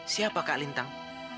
siapa kak lintang